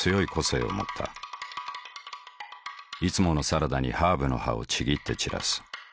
いつものサラダにハーブの葉をちぎって散らす。